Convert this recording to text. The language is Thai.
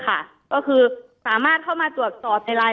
แต่คุณยายจะขอย้ายโรงเรียน